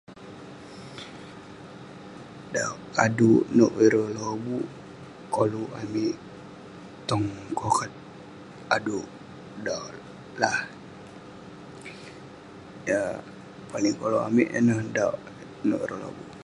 dauk aduk nouk ireh lobuk koluk amik tong kokat aduk dauk lah, yah pani koluk amik yan neh dauk nouk ireh lobuk